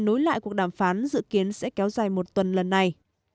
nối lại cuộc đàm phán dự kiến sẽ kéo dài một tuần lần này